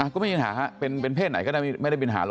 ก็ไม่มีปัญหาค่ะเป็นเพศไหนก็ไม่มีปัญหาหรอก